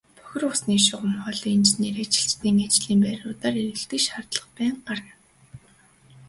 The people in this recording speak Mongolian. Бохир усны шугам хоолойн инженерт ажилчдын ажлын байруудаар эргэлдэх шаардлага байнга гарна.